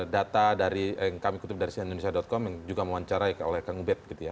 data dari yang kami kutip dari cnn indonesia com yang juga mewawancarai oleh kang ubed gitu ya